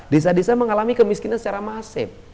desa desa mengalami kemiskinan secara masif